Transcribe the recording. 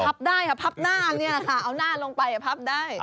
พับได้ครับพับหน้าเนี่ยค่ะเอาหน้าลงไปพับได้